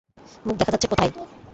মুখ দেখা যাচ্ছে কোথায়?